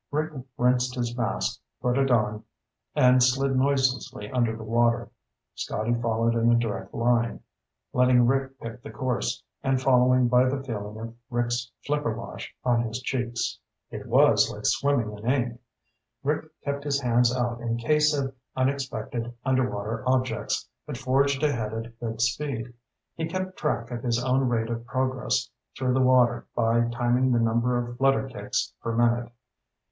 Rick rinsed his mask, put it on, and slid noiselessly under the water. Scotty followed in a direct line, letting Rick pick the course, and following by the feeling of Rick's flipper wash on his cheeks. It was like swimming in ink. Rick kept his hands out in case of unexpected underwater objects, but forged ahead at a good speed. He kept track of his own rate of progress through the water by timing the number of flutter kicks per minute.